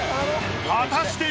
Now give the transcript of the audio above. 果たして。